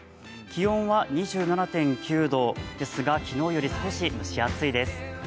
気温は２７．９度ですが、昨日より少し蒸し暑いです。